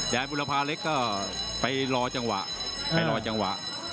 แดงบุรพาเล็กก็ไปรอจังหวะ